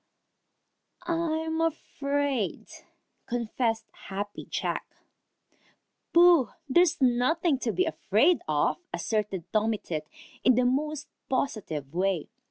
"I I'm afraid," confessed Happy Jack. "Pooh! There's nothing to be afraid of," asserted Tommy Tit in the most positive way.